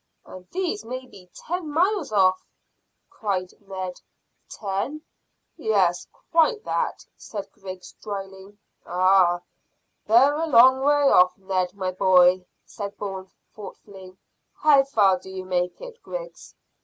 "And these may be ten miles off," cried Ned. "Ten? Yes, quite that," said Griggs dryly. "Ah, they're a long way off, Ned, my boy," said Bourne thoughtfully. "How far do you make it, Griggs?"